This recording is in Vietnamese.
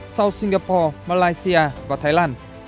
south singapore malaysia và thái lan